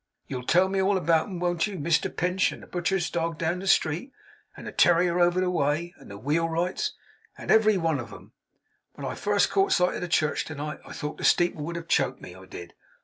You'll tell me all about 'em, won't you; Mr Pinch, and the butcher's dog down the street, and the terrier over the way, and the wheelwright's, and every one of 'em. When I first caught sight of the church to night, I thought the steeple would have choked me, I did.